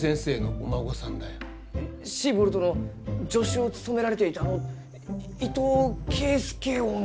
シーボルトの助手を務められていたあの伊藤圭介翁の？